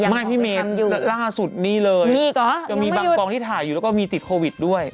ไม่พี่เมนล่าสุดนี่เลยจะมีบางกองที่ถ่ายอยู่แล้วก็มีติดโควิดด้วย